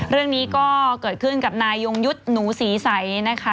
เรื่องนี้ก็เกิดขึ้นกับนายยงยุทธ์หนูศรีใสนะคะ